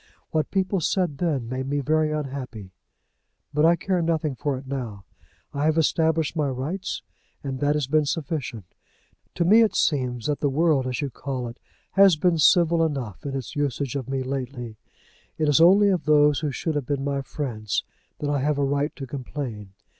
What people said then made me very unhappy. But I care nothing for it now. I have established my rights, and that has been sufficient. To me it seems that the world, as you call it, has been civil enough in its usage of me lately. It is only of those who should have been my friends that I have a right to complain.